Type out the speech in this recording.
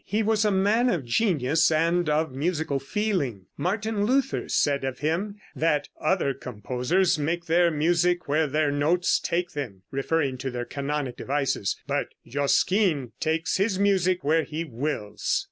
He was a man of genius and of musical feeling. Martin Luther said of him that "Other composers make their music where their notes take them [referring to their canonic devices]; but Josquin takes his music where he wills."